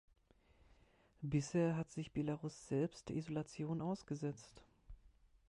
Bisher hat sich Belarus selbst der Isolation ausgesetzt.